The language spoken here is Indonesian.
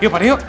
yuk pada yuk